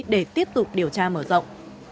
để tiếp tục điều tra mở rộng